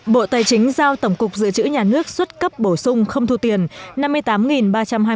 bộ tài chính vừa có quyết định về việc xuất bổ sung gạo dự trữ quốc gia hỗ trợ học sinh học kỳ hai năm học hai nghìn hai mươi ba hai nghìn hai mươi bốn